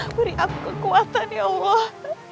beri aku kekuatan ya allah